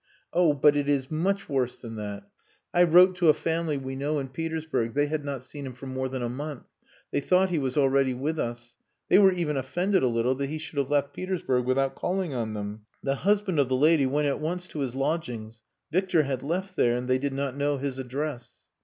"Oh! But it is much worse than that. I wrote to a family we know in Petersburg. They had not seen him for more than a month. They thought he was already with us. They were even offended a little that he should have left Petersburg without calling on them. The husband of the lady went at once to his lodgings. Victor had left there and they did not know his address."